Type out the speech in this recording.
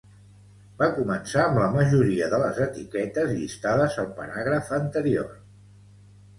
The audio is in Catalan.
Va començar amb la majoria de les etiquetes llistades al paràgraf anterior.